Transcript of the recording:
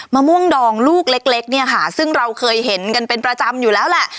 มะม่วงดองลูกเล็กเล็กเนี่ยค่ะซึ่งเราเคยเห็นกันเป็นประจำอยู่แล้วแหละ